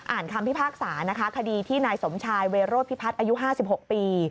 คำพิพากษานะคะคดีที่นายสมชายเวโรธพิพัฒน์อายุ๕๖ปี